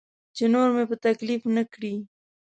چې نور مې په تکلیف نه کړي.